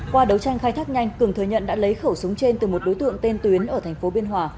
qua đấu tranh khai thác nhanh cường thừa nhận đã lấy khẩu súng trên từ một đối tượng tên tuyến ở thành phố biên hòa